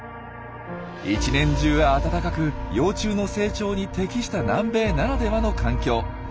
一年中暖かく幼虫の成長に適した南米ならではの環境。